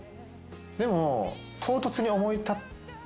でも。